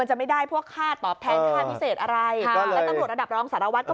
อันนี้คือจับฉลากมอบของขวัญให้